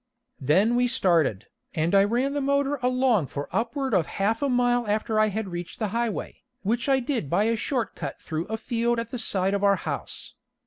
Then we started, and I ran the motor along for upward of half a mile after I had reached the highway, which I did by a short cut through a field at the side of our house.